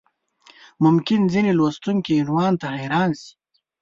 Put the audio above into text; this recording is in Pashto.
ممکن ځینې لوستونکي عنوان ته حیران شي.